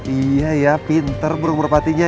iya ya pinter burung berpatinya ya